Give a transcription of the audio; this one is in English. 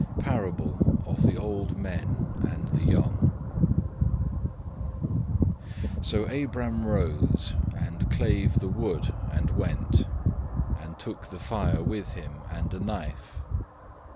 Parable of the Old Men and the Young So Abram rose, and clave the wood, and went, And took the fire with him, and a knife.